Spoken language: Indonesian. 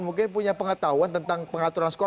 mungkin punya pengetahuan tentang pengaturan skor